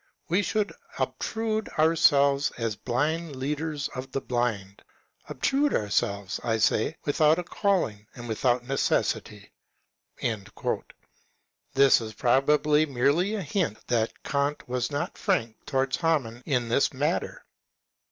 We should obtrude ourselves as blind leaders of the blind ; obtrude ourselves, I say, with out a calling and without necessity." This is pro bably merely a hint that Kant was not frank towards Hamaun in this matter.